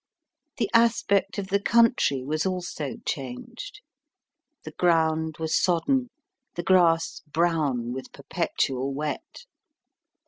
The aspect of the country was also changed. The ground was sodden, the grass brown with perpetual wet.